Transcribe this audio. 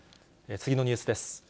次のニュースです。